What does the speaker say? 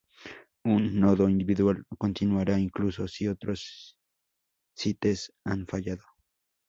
Un nodo individual continuará incluso si otros sites han fallado.